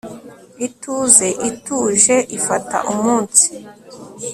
ituze ituje ifata umunsi